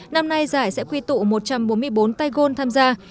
năm nay giải sẽ quy tụ một trăm bốn mươi bốn tai gôn tham gia